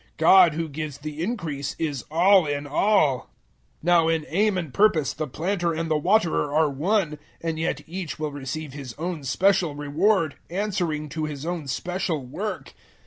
God who gives the increase is all in all. 003:008 Now in aim and purpose the planter and the waterer are one; and yet each will receive his own special reward, answering to his own special work.